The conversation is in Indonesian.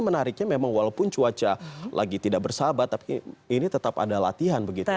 menariknya memang walaupun cuaca lagi tidak bersahabat tapi ini tetap ada latihan begitu ya